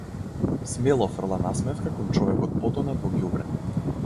Смело фрла насмевка кон човекот потонат во ѓубре.